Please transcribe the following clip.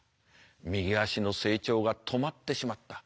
右足の成長が止まってしまった。